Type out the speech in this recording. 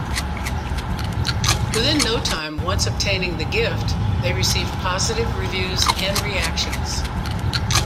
Within no time, once obtaining The Gift, they received positive reviews and reactions.